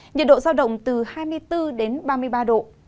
nhiệt độ giao động từ hai mươi bốn đến ba mươi ba độ